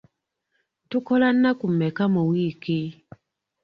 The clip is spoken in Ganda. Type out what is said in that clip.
Tukola nnaku mmeka mu wiiki?